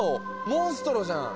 モンストロじゃん！